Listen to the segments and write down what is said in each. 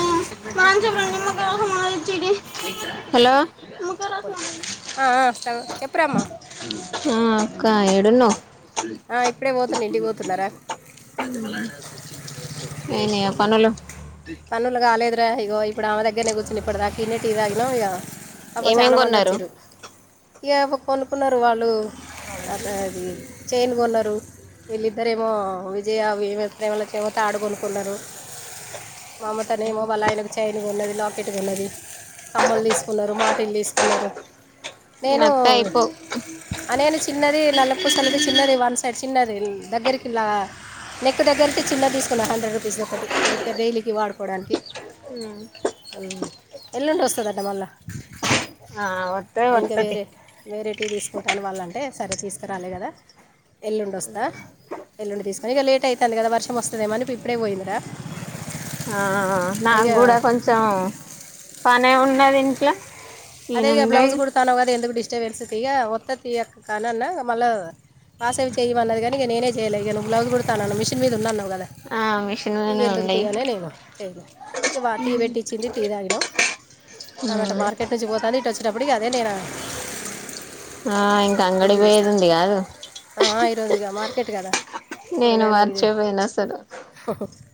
[unintelligible] Hello పోలే ఆ, ఆ, సగం చెప్పురామ్మా హ అక్క ఎడున్నవ్ ఆ, ఇప్పుడే పోతున్నా ఇంటికి పోతున్నారా అయినయ పనులు పనులు గాలెదుర ఇగో ఎప్పుడూ ఆమె దగ్గరనే కూర్చున్నాం ఇప్పటిదకా ఇన్నె టీ తాగినం ఇగ అహో ఏమేం చానా మంది కొన్నారు వచ్చింర్రు ఇగ కొనుకున్నారు వాళ్ళు హ అది చేను కొన్నారు వీళ్ళిద్దరెమో విజయమి ప్రేమళ్లకి ఏమో తాడు కొనుకున్నారు మమతనేమో వాళ్ళాయన చైన్ కొన్నది లాకెట్గా కొన్నది కమ్మలు తీసుకున్నరు మాటిలు తీసుకున్నరు నేను అత్తా అయిపో అని అని చిన్నది నల్లపూసలది చిన్నది వన్ సైడ్ చిన్నది దగ్గరికిల్లా నెక్ దగ్గరతే చిన్న తీసుకుం హండ్రెడ్ రూపీస్ ఒకటి ఊరికే డైలీకి వాడుకోవడానికి ఉ ఎల్లుండి వస్తదట మళ్ళా ఆ వత్తే వత్తతి వేరైటీ తీసుకుంటాని వాళ్ళంటే సరే తీసుకరాలే కదా ఎల్లుండి వస్తా ఎల్లుండి తీసుకుని ఇక లేట్ అవుందికా వర్షం వస్తుందేమో అని ఇప్పుడే పోయిందరా ఆహా నాగూడా కొంచెం పనేం ఉన్నది ఇంట్లో అదే ఇక నేనుండే బ్లౌజ్ కుడుతన్నావు కదా ఎందుకు డిస్టర్బెన్స్ ఇక ఒత్త తీయక కాన్నఅన్నా మళ్ళా కాసేపు చేయమన్నది కానీ ఇగ నేనే చేయలే ఇగ బ్లౌజ్ కుడతాన్నావు మిషన్ మీద వున్న అన్నావు కదా ఆ మిషన్ ఇక మీదనే ఎందుకు ఉండయి తీయనే నేను చేయలే ఇక వా టీ పెట్టిఇచ్చింది టీ తాగిన ఉ పోతాట్ వచ్చిట్ అప్పుడు కాదే నేనా ఆ ఇంకా అంగడి పోయేది ఉంది కాదు ఆ ఈరోజు ఇగా మార్కెట్ కదా నేను మార్చేపోయినా అసలు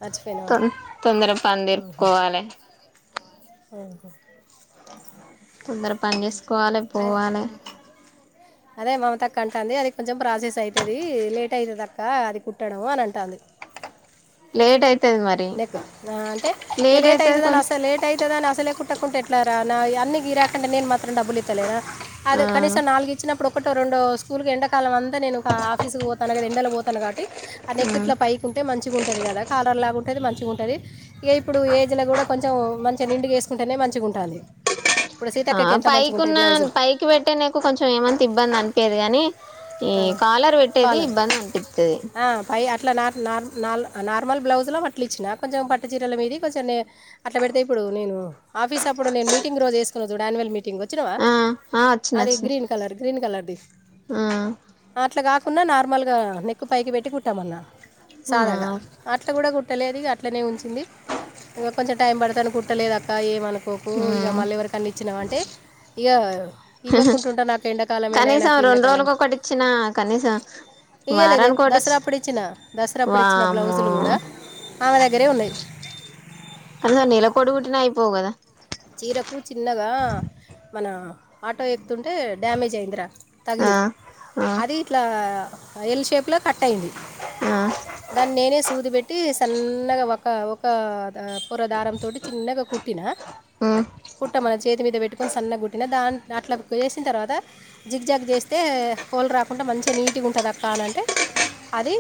మార్చి తోం తొందరగా పని తెరుపుకోవాలి కోవాలే తొందర పని చేసుకోవాలి అదే పోవాలి అదే మమతక్క అంటాంది అది కొంచెం ప్రాసెస్ అయితది లేట్ అయితదక్క అది కుట్టడం అని అంటాంది లేట్ అయితది మరి నెక్కు అంటే ఇగ లేట్ అయితది అని అస్సలు లేట్ లేట్ అయితదని అసలే కుట్టకుంటె ఎట్లరా నాయన్నీ గిరాకి అంటే నేను మాత్ర డబ్బులు ఇతలేనా ఆ అదే కనీసం నాలుగు ఇచ్చినప్పుడు ఒకటో రెండో స్కూల్కి ఎండకాలం అంతా నేను ఒక ఆఫీస్కు పోతాను కదా ఎండలో పోతాను కాబట్టి అ నేక్కు ఇట్ల పైకి ఉంటే మంచిగా ఉంటుది కదా కాలర్ లాగ ఉంటే ఉంటది మంచిగా ఉంటది ఇక ఇప్పుడు ఏజ్లో కూడా కొంచెం మంచిగా నిండుగా వేసుకుంటేనే మంచిగా ఉంటది ఇప్పుడు సీతక్కకి ఎంత మంచిగాంటాయి బ్లౌజులు కి పెట్టనీకి కొంచెం ఏమంత ఇబ్బంది అనిపియ్యదు గాని ఈ కాలర్ పెట్టేది కాలర్ ఇబ్బంది అనిపిస్తది ఆ, పై అట్లా నార్ నార్ నార్ నార్మల్ బ్లౌజ్లో అట్లు ఇచ్చిన కొంచెం పట్టు చీరల మీది కొంచెం అట్లా పెడితే ఇప్పుడు నేను ఆఫీస్ అప్పుడు నేను మీటింగ్ రోజువేసుకున్న చూడు అన్యువల మీటింగ్ వ వచ్చినవా ఆ ఆ వచ్చిన అది వచ్చిన గ్రీన్ కలర్ గ్రీన్ కలర్ది ఆ అట్లా కాకుండా నార్మల్గా నెక్కు పైకి పెట్టి కుంటామన్నా సాదాగా ఆ అట్లా కూడా కుట్టలేదిగ అట్లనే ఉంచింది ఇంక కొంచెం టైం పడతాను కుట్టలేదు అక్క ఏమనుకో కోకు ఇక మ్మ్ మళ్ళీ ఎవరికన్న ఇచ్చినావు అంటే ఇక ఇవ్వకు ఉంటే నాకు ఎండకాలమేనా నాకు ఎండాకాలం ఇచ్చిన కనీసం ఇయ్యలేదే వారానికి ఒకటి ఇచ్చి దసరాప్పుడు ఇచ్చిన దసరాప్పుడు ఇచ్చిన వామ్మో బ్లౌజులు కూడా ఆమె దగ్గరే ఉన్నాయి అవునా నెలకొకటి కుట్టిన అయిపోవు కదా చీరకు చిన్నగా మన ఆటో ఎక్తుంటే డ్యామేజ్ అయిందిరా ఆ తగిలి ఆ అది ఇట్లా ఎల్ షేప్ లో కట్ అయింది ఆ దాన్ని నేనే సూదు పేట్టి సన్నగా ఒక ఒక పొరదారంతోటి చిన్నగా కుట్టిన ఉ కుట్టమన్న చేతి మీద పెట్టుకొని సన్నగ కుట్టిన దా అట్లా చేసిన తర్వాత జిగ్ జగ్ చేస్తే హోల్ రాకుండా మంచిగా నీట్గా ఉంటది అక్క అని అంటే అది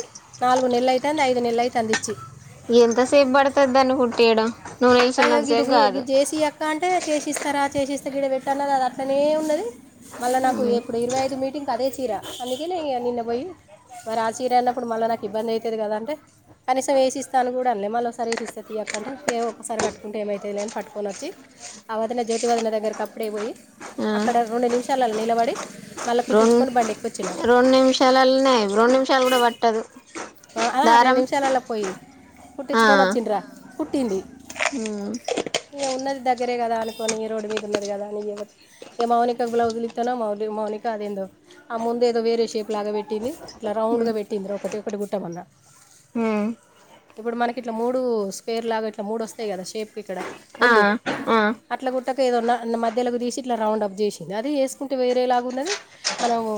నాలుగు నెలలు అయితంది ఐదు నెలలు అయితంది ఇచ్చి ఎంతసేపు పడుతాది దాన్ని కుట్టీయ్యడం నువ్వు అయ్యో నిలుచున్నంత గిది సేపు కాదు. గిది చేసి అక్క అంటే చేసిస్తారా చేసిస్తే గీడ పెట్టనా గదా అట్లనే ఉన్నది. మళ్ళా నాకు మ్మ్ ఎప్పుడు ఇరవై ఐదు మీటింగ్ అదే చీర. అందుకేనే నిన్న పోయి మరి ఆ చీర అన్నప్పుడు మళ్ళీ నాకు ఇబ్బంది అవుతాది కదా అంటే. కనీసం ఏసిస్తానుఅని కూడా అనలే. మళ్ళా ఒకసారి వేసిస్తా తీయక్కా అంటే ఏవో ఒకసారి కట్టుకుంటే ఏమైతాది లే అని, పట్టుకొని వచ్చి ఆ వదిన జ్యోతివదిన దగ్గరకి ఆప్పుడే పోయి ఆ అక్కడ రెండు నిమిషాలు నిలబడి మళ్ళీ రెం కుట్టించుకొని బండి ఎక్కి వ. రెండు నిమిషాలలోనే ఆయ రెండు నిమిషాలు కూడా పట్టదు. ఆ రెండు దారం నిమిషాలలో పోయి కుట్టించుకొని వచ్చిండ్రా కుట్టింది. మ్ ఇగ ఉన్నది దగ్గరే గదా అనుకోని ఈ రోడ్ మీద ఉన్నది కదా అని ఏ మౌనక బ్లౌజ్లిత్తేనో ఆ మౌనిక అదేందో ఆ ముందు ఏదో వేరే షేప్ లాగా పెట్టింది ఇట్లా రౌండ్ గా పెట్టింది. ఒకటి గుట్టమన్నా. ఉమ్ ఇప్పుడు మనకి ఇట్లా మూడు స్వేర్ లాగా ఇట్లా మూడు వస్తాయి కదా షేప్కి ఇక్కడ ఆ ముందు ఆ అట్లా గుట్టక ఏదన్న మధ్యలోకు తీసి ఇట్లా రౌండ్ అప్ చేసింది అది వేసుకుంటే వేరేలాగా ఉన్నది. మనము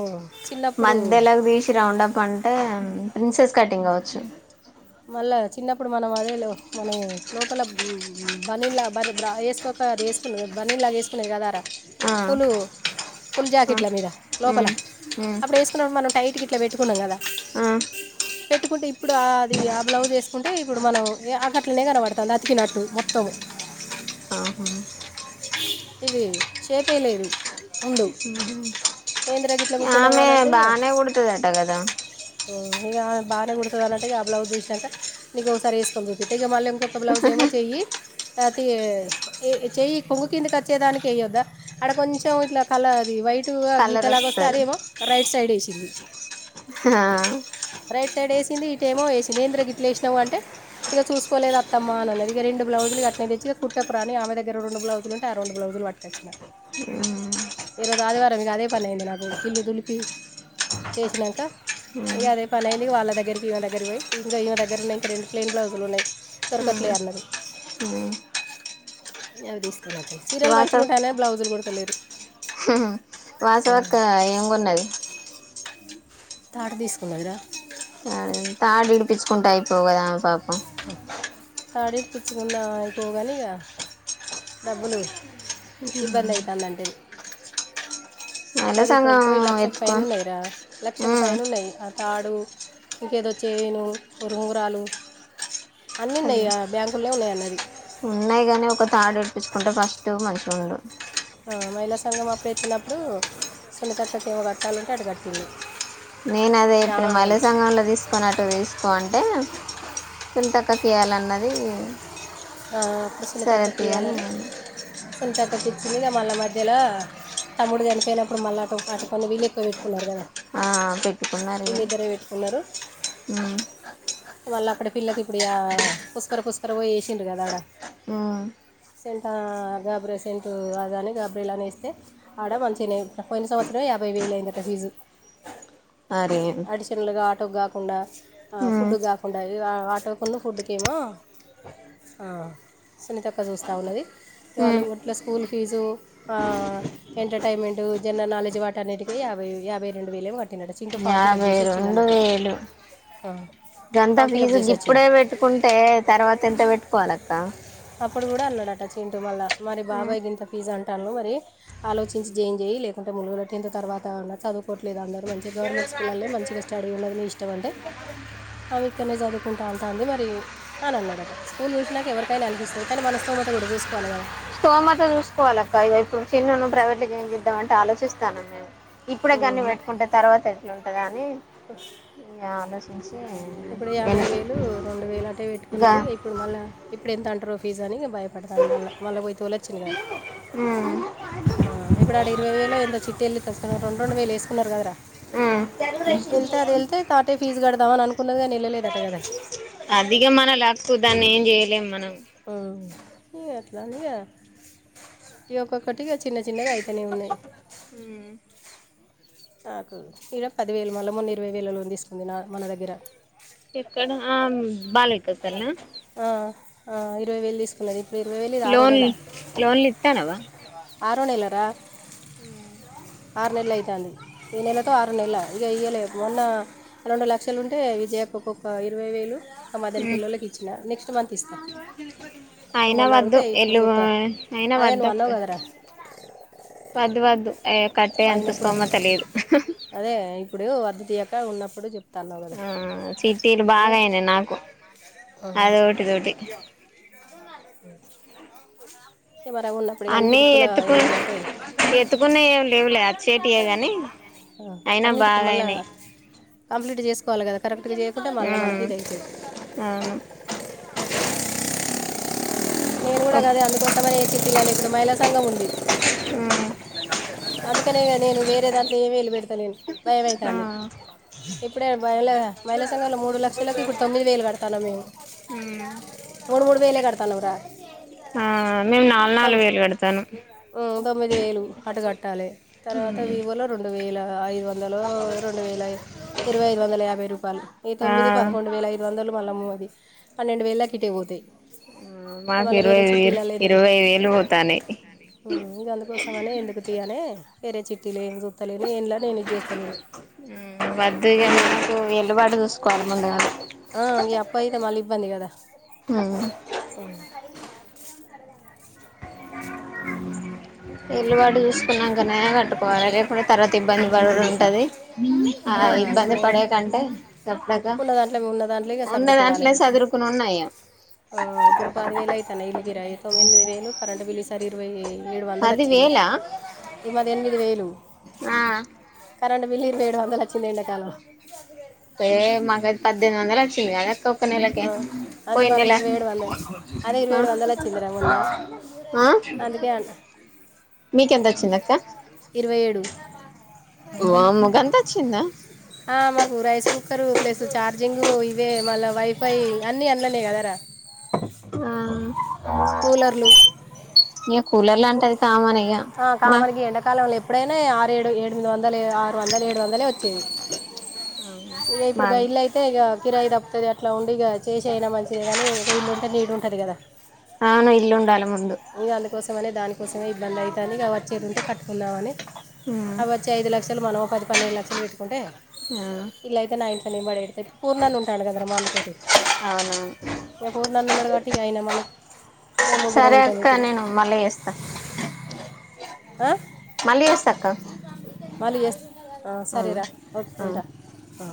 చిన్నప్పుడు మధ్యలో తీసి రౌండప్ అంటే ప్రిన్సెస్ కటింగ్ కావచ్చు. మళ్ళా చిన్నప్పుడు మనం అదే లో మనము లోపల బన్నీను లాగా వేసుకోక అది వేసుకునేది బన్నీను లాగ వేసుకునేది కదారా ఆ పులు ఫుల్ ఆ జాకెట్ల మీద లోపల ఉమ్ ఉమ్ అప్పుడు వేసుకున్నప్పుడు మనం టైట్గా ఇట్లా పెట్టుకున్నాం కదా ఆ పెట్టుకుంటే ఇప్పుడు ఆ అది ఆ బ్లౌజ్ వేసుకుంటే ఇప్పుడు మనం నాకట్లనే కనపడుతుంది అతికినట్టు మొత్తం. ఆహా ఇది సేపేలేదు ముందు. ఏంది రా గిట్లా కుట్టినావు ఆమె అని అంటే బానే కుడ్తది అంట కదా. ఉ ఇగ బాగానే కుడతాది అని అంటే ఆ బ్లౌజ్ చూసినాక ఇంకోసారి వేసుకోక పోతి. ఇక మళ్ళీ ఇంకోటి బ్లౌజ్ ఏమో చెయ్యి అది చెయ్యి కొంగు కిందకి వచ్చేదానికి వేయొద్దా? ఆడ కొంచెం ఇట్లా కలర్ అది వైట్గా కలర్ గీతలాగా వస్తే వస్తది అదేమో రైట్ సైడ్ వేసింది. హహా రైట్ సైడ్ వేసింది. ఇటు ఏమో వేసింది ఎందిరా గిట్లేసినావు అంటే ఇగ చూసుకోలేదు అత్తమ్మా అని అన్నది. ఇగ రెండు బ్లౌజులు అట్నే తెచ్చి ఇగ కుట్టకు రా అని ఆమె దగ్గర రెండు బ్లౌజ్లు ఉంటే ఆ రెండు బ్లౌజులు పట్టుకొచ్చినా. ఈరోజు ఆదివారం ఇగ అదే పని అయింది నాకు ఇల్లు దులిపి చేసినాక ఇగ అదే పని అయింది. వాళ్ళ దగ్గరికి ఈళ్ళ దగ్గరికి పోయి ఇంక ఈమె దగ్గర ఉన్నాయి ఇంక రెండు పెయిన్ బ్లౌజులు ఉన్నాయి. దొరకట్లే అన్నది. ఉమ్ అవి తీసుకుని వచ్చేసినా. చీరలు మంచిగా ఉంటాయి అనే బ్లౌజులు కుడత లేరు. మ్ హు వాసవి అక్క ఏం కొన్నది? తాడు తీసుకున్నదిరా. తాడు విడిపించుకుంటే అయిపోవు కదా ఆమె పాపం. తాడు ఇడిపించుకొందామని అయిపో గాని ఇగ డబ్బులు ఇబ్బంది అవుతాందిఅండి. అదే అది ఇప్పుడు సంగం పోయి లక్షకి ఫైన ఎత్తుకొని ఉన్నాయిరా లక్షకు ఉమ్ ఫైన ఉన్నాయి. తాడు ఇంక ఎదో చైను, ఉంగరాలు అన్ని ఉన్నాయి ఆ బ్యాంకులో ఉన్నాయి అన్నది. ఉన్నాయి గానీ ఒక తాడు విడిపిచ్చుకుంటే ఫస్ట్ మంచిగుండు ఆ మహిళా సంఘం అప్పు ఎత్తినప్పుడు సునీతక్కకి ఏమో కట్టాలంటే అటు కట్టింది నేను అదే చెప్పినా యామాగం మహిళా సంఘంలో తీస్ కొని అట్ట తీసుకో అంటే సునితక్కకు ఇయ్యాలన్నది ఆ అప్పుడు సరే సునీతక్కకు తీ అని ఇయ్యాలని నేను సునీతక్కకు ఇచ్చింది ఇగ మళ్ళ మధ్యలో తమ్ముడు చనిపోయినప్పుడు మళ్ళ అటు ఆటుకొన్ని వీళ్లు ఎక్కువ పెట్టుకున్నారు కదా ఆ పెట్టుకున్నారు ఇగ వీళ్ళిద్దరే ఉమ్ వాళ్ళ అప్పుడ పిల్లకి ఇప్పుడు యా పుస్కర పుస్కర పోయ్యి ఏసిండు కదా ఆడ ఉమ్ సెంటా గాబురె సెంటు అదని గాబ్రీలానా ఏస్తే ఆడ మంచిగనే పోయిన సంవత్సరమే యాభై వేలు అయ్యిందట ఫీజు అరేం డిషన్లుగా ఆటోకి కాకుండా ఆ ఉమ్ ఫుడ్డుకు కాకుండా ఇగ ఆటో కొన్ను ఫుడ్డుకేమో ఆ సునీతక్క చూస్తూ ఉన్నది వాళ్ళు ఉమ్ గట్ల స్కూల్ ఫీజు ఆ ఎంటర్టైన్మెంట్ జనరల్ నాలెజ్ వాటన్నిటికీ యాభై యాభై రెండు వేలేమో గ యాభై రెండు వేలు గంత ఫామ్ ఫిలప్ ఫీజు చేసి వచ్చిండు గిప్పుడే పెట్టు కుంటే తర్వాత ఎంత పెట్టుకోవాలి అక్క అప్పుడు కూడా అన్నాడట చింటు మళ్ళ మరి ఉమ్ బాబాయ్ గింత ఫీస్ అంటాల్లు మరి ఆలోచించి జేయిన్ చెయ్యి లేకుంటే ములుగులో టెన్త్ తర్వాతన్నా చదువుకోవట్లేదు అందరూ మంచిగా గవర్మెంట్ స్కూలల్లో మంచిగా స్టడీ ఉన్నది మీ ఇష్టం అంటే ఆమె ఇక్కన్నే చదువుకుంటా అంటాంది మరి అని అన్నాడట స్కులు చూసినాక ఎవరికైనా అనిపిస్తది కానీ మన స్థోమత కూడా చూసుకోవాలి కదా స్తోమత చూసుకోవాలి అక్క ఇగ ఇప్పుడు చిన్నూను ప్రైవేట్ ల జాయిన్ చేద్దామంటే ఆలోచిస్తాను నేను ఇప్పుడే గన్ని కదా పెట్టుకుంటే తర్వాత ఎట్లుంటది అని ఈ ఆలోచి ఇప్పుడు యాభై వేలు రెండు వేలు అటే ఇంకా పెట్టుకున్నది ఇప్పుడు మళ్ళా ఇప్పుడు ఎంత అంటారో ఫీస్ అని భయపడతాంది మళ్ళ మళ్ళ పోయి తొలొచ్చింది కదా ఊ ఆ ఇప్పుడు ఆడ ఇరవై వేలో ఎంతో చిట్టీ ఎళ్ళి తెస్తున్నారు రెండు రెండు వేలు ఏసుకున్నారు కదరా ఉమ్. ఎళ్తే అది ఎళ్తే తాటే ఫీజు కడదాం అని అనుకున్నది కానీ వెళ్ళలేదట గదా అది ఇగ మన లక్కు దాన్ని ఏం చేయలేం మనం ఊ ఇగ అట్లా అని ఇగ ఇగ ఒక్కొక్కటిగా చిన్న చిన్నగా అయితనే ఉన్నయి ఉమ్ నాకు ఈడ పదివేలు మళ్ళా మొన్న ఇరవై వేలో లోన్ తీసుకుంది నా మన దగ్గర ఎక్కడ ఆం బాలయ్యకసలనా ఆ ఆ ఇరవై వేలు తీసుకున్నది ఇప్పుడు ఇరవై వేలు ఇది ఆరో లోన్ నెల లోన్లు ఇత్తానావా ఆరోనెల రా ఉమ్, ఆరు నెల్లు అయితాంది ఈ నెలతో ఆరు నెలలు ఇస్తా. నెల్లు అయ్ ఇగ ఇయ్యలే మొన్న రెండు లక్షలుంటే విజయక్కకు ఒక ఇరవై వేలు ఆ ఉమ్, మదనిపిల్లోల్లకి ఇచ్చినా నెక్స్ట్ మంత్ ఇస్తా నువ్వు అయినా మొన్న వద్దు అడిగితే ఇప్పుడు ఎల్లు ఊ చూస్తా అయినా అదే నువ్వు వద్దక్క అన్నావు కదరా వద్దు వద్దు యే కట్టే అంత అయినప్పుడు స్థోమత లేదు అదే ఇప్పుడు వద్దు తియ్యక ఉన్నప్పుడు జె ఆ చిట్టీలు బాగా అయినాయి నాకు అదోకటి ఇదొకటి ఎవరం ఉన్నా అన్నీ ఎత్తుకు ఎత్తుకున్నా ఎం లేవులే అచ్చేట్టియే గానీ అన్నిటికి మళ్ళా కంప్లీట్ చేసుకోవల కదా కరెక్ట్గా చెయ్యక పోతే, మళ్ళ మనాకి ఉమ్ ఇది అయితది. అవును నేను కూడా ఒక్ గదే అందుకోసమే ఏసి పిల్లాలి దుబాయ్ లో సంఘం ఉంది. మ్ అందుకనే గదే వేరే దాంట్లో ఏలు పెడతాలేను భయం ఆ అయితంది. ఇప్పుడే మహిళ మహిళ సంఘంలో మూడు లక్షలకు ఇప్పుడు తొమ్మిది వేలు కడతనము మేము. మ్ మూడు మూడు వేలే కట్తానం రా ఆ మేము నాలుగు తమ్ నాలుగు వేలు కడతానం మ్ తొమ్మిది వేలు అటుకట్ తర్వాత వివో లో రెండు వేల ఐ వ వంద రెండు వేల ఇరవై ఐదు వందల యాభై రూపాయలు ఈ ఆ తొమ్మిది పదకొండు వేల ఐదు ఐదు వందలు మళ్ళము అది పన్నెండు వేలకి ఇట్టే పోతాయి. ఇక మాకు మళ్ళీ ఇరవై వేరే వ చిట్టీలలో ఇరవై వేలు పోతానేయి మ్ గందుకోసమనే ఎందుకు తీయనే వేరే చిట్టీలు ఏం చూద్ చెలేని ఎం చేస్తా లేను వద్దు కాంట నాకు వెల్లుబాటు చూసుకోవాలి ముందు గా ఆ ఈ అబ్బాయి అయితే మళ్ళీ ఇబ్బంది కదా ఉమ్ వెళ్లుబడు చూసుకున్నా క నయా కంట పోనలే ఇప్పుడు తర్వాత ఇబ్బంది పడుడు ఉంటది, ఆ ఇప్పుడు ఇబ్బంది ఏ- పడే కంటే సప్పడక ఉన్న దాంట్లో ఉన్న దాంట్లో ఇక ఉన్న సర్దుకోవాలి దాంట్లో సదురుకుని ఉన్నాయా ఆ ఇప్పుడు పది వేలు అయితున్నాయ్ ఇల్ళ కిరయి, తొమ్మిది వేలు కరెంట్ బిల్ ఇస్త సర ఇరవై ఏడు వందలు వచ్చింది, పదివేలా ఇవాళ ఎనిమిది వేలు. ఆ కరెం బిల్ ఇరవయ్ ఏడు వందలు వచ్చింది ఎండ కాలం చదివేల్ ఏ మాకు అయితే పద్దెనిది వందలు వచ్చింది గదిప్ ఒక నెలకే ఆ అదే పోయిన మాకు నెల ఇరవై ఏడు వందలు అదే ఇరవై ఏడు వందలు వచ్చిందిరా మొన్న ఆ అందుకే అన్న మీకెంత వచ్చింది అక్క? ఇరవై ఏడు వామ్మో గంత వచ్చిందా మాకు రైస్ కుక్కరు ప్లస్ ఛార్జింగ్ ఇవే మళ్ళా వైఫై అన్నీ అన్నలనే కదారా ఆ కూలర్లు ఇగ కూలర్లు అంటే అది కామన్ ఇగ ఆ మా కామనకి ఎండాకాలం లో ఎప్పుడైనా ఆరు ఏడు రెండు వందలు ఆరు వందలు ఏడు వచ్చేది ఇప్పుడు బాగు అంతే గా కిరాయి దప్పతతు అట్లా ఉండి ఇ చేస అయినా మంచిదే కానీ ఒక ఇల్లుంటే నీట్ ఉంటుంది కదా అవును ఇల్లు ఉండాలి ముందు ఇ అందుకోసమనే దానికోసమే ఇబ్బంది అయితది అని ఇక వచ్చేది ఉంటే కట్టుకున్నామని. ఉమ్ అవి వచ్చి ఐదు లక్షలు మనోహర్ పది పన్నెండు లక్షలు పెట్టుకుంటే ఆ ఇలా అయితే నా ఇంటిట్ని ఏంబడే పూర్ణాలు ఉంటాయి కదా మాన్నతోటి అవునవును ఎపూర్ నన్ను ఉన్నాడు కాబట్టి అయన మళ్ళ మేము ముగ్గురం సరే ఉంటాము అక్క ఇప్పుడు నేను మళ్ళీ చేస్తా ఆ మళ్ళీ చేస్తా అక్క మళ్ళీ సరేరా ఒకే ఉంటా ఆ